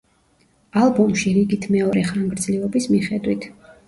ალბომში რიგით მეორე ხანგრძლივობის მიხედვით.